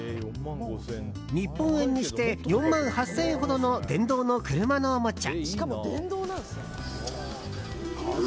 日本円にして４万８０００円ほどの電動の車のおもちゃ。